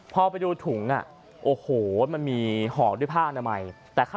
พอไปดูถุงโอ้โหมันมีห่อด้วยผ้าอนามัย